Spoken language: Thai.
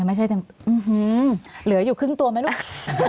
ยังไม่ใช่เต็มตัวหื้อเหลืออยู่ครึ่งตัวไหมลูก